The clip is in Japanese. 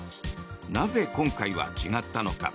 なぜ今回は違ったのか。